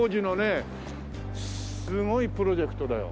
すごいプロジェクトだよ。